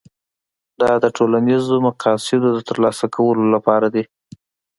دا د ټولنیزو مقاصدو د ترلاسه کولو لپاره دي.